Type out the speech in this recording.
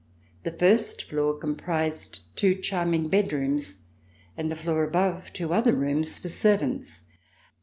The first floor comprised two charming bed rooms, and the floor above, two other rooms for servants.